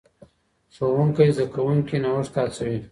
ښوونکی زدهکوونکي نوښت ته هڅوي.